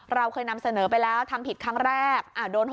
เราเคยนำเสนอไปแล้วทำผิดครั้งแรกโดน๖๐